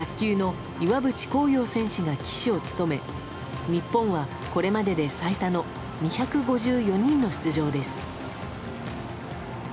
トライアスロンの谷真海選手と卓球の岩渕幸洋選手が旗手を務め日本はこれまでで最多の２５４人の出場です。